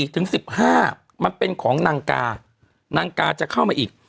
ถึง๑๕มันเป็นของนางกานางกาจะเข้ามาอีก